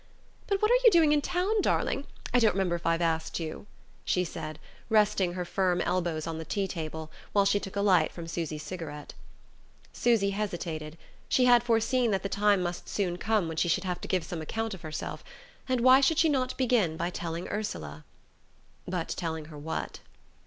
"But what are you doing in town, darling, I don't remember if I've asked you," she said, resting her firm elbows on the tea table while she took a light from Susy's cigarette. Susy hesitated. She had foreseen that the time must soon come when she should have to give some account of herself; and why should she not begin by telling Ursula? But telling her what?